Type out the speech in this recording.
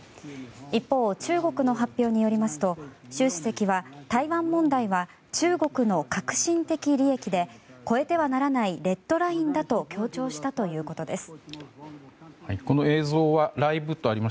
一方、中国の発表によりますと習主席は台湾問題は中国の核心的利益で超えてはならないレッドラインだと強調したということです。